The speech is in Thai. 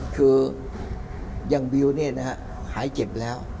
คือยังบิวนี่นะฮะหายเจ็บแล้ว